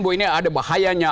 bahwa ini ada bahayanya